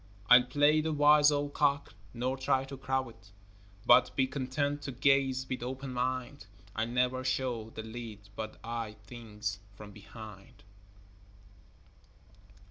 I'll play the wise old cock, nor try to crow it, But be content to gaze with open mind; I'll never show the lead but eye things from behind.